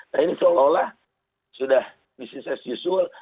nah ini seolah olah sudah business as usual